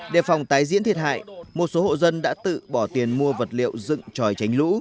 đề phòng tái diễn thiệt hại một số hộ dân đã tự bỏ tiền mua vật liệu dựng tròi tránh lũ